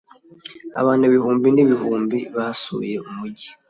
abantu ibihumbi n'ibihumbi basuye umujyi